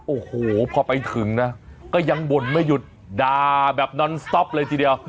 โอ้โหพอไปถึงนะก็ยังบ่นไม่หยุดด่าแบบนอนสต๊อปเลยทีเดียว